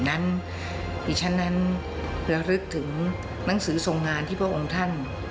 นั้นดิฉันนั้นระลึกถึงหนังสือทรงงานที่พระองค์ท่าน